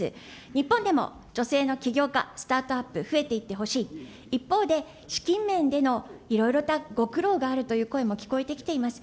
日本でも女性の起業家、スタートアップ、増えていってほしい、一方で、資金面でのいろいろなご苦労があるという声も聞こえてきています。